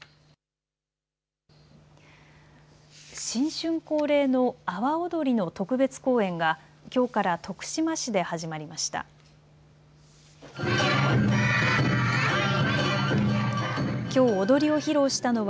新春恒例の阿波おどりの特別公演がきょうから徳島市で始まりました。